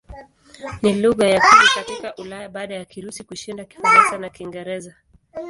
Ni lugha ya pili katika Ulaya baada ya Kirusi kushinda Kifaransa na Kiingereza.